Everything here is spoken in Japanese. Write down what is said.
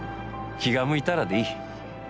気が向いたらでいい。